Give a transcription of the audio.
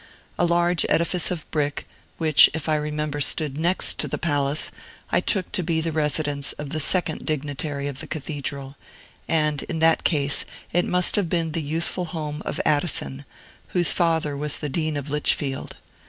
A large edifice of brick, which, if I remember, stood next to the palace, I took to be the residence of the second dignitary of the Cathedral; and, in that case, it must have been the youthful home of Addison, whose father was Dean of Lichfield.